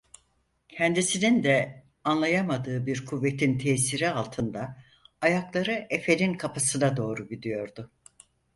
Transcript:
Kendisinin de anlayamadığı bir kuvvetin tesiri altında ayakları efenin kapısına doğru gidiyordu.